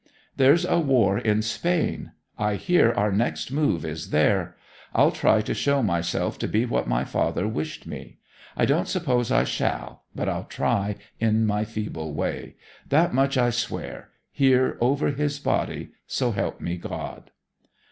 'There's war in Spain. I hear our next move is there. I'll try to show myself to be what my father wished me. I don't suppose I shall but I'll try in my feeble way. That much I swear here over his body. So help me God.'